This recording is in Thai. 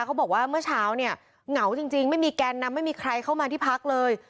เขาบอกว่าเมื่อเช้าเนี่ยเหงาจริงไม่มีแกนนำไม่มีใครเข้ามาที่พักเลย